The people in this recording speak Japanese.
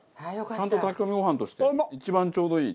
ちゃんと炊き込みご飯として一番ちょうどいい。